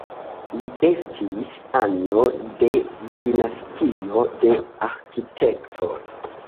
Li estis ano de dinastio de arkitektoj.